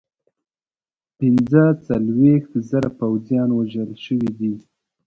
پنځه څلوېښت زره پوځیان وژل شوي دي.